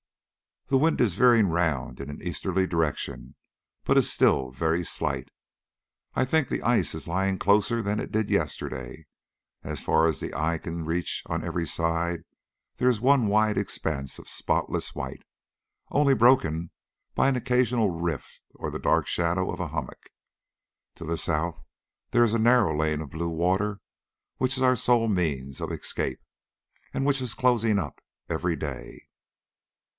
The wind is veering round in an easterly direction, but is still very slight. I think the ice is lying closer than it did yesterday. As far as the eye can reach on every side there is one wide expanse of spotless white, only broken by an occasional rift or the dark shadow of a hummock. To the south there is the narrow lane of blue water which is our sole means of escape, and which is closing up every day.